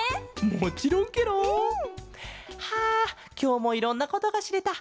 もちろんケロ！はあきょうもいろんなことがしれた。